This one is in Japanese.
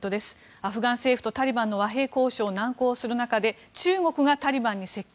アフガン政府とタリバンの和平交渉、難航する中で中国がタリバンに接近。